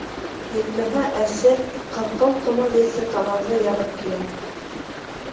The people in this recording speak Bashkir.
Етмәһә, әсе, ҡырҡыу ҡымыҙ еҫе танауҙы ярып килә.